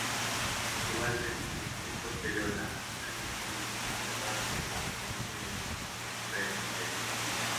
Igualmente es posterior la sacristía, adosada en el lado norte del presbiterio.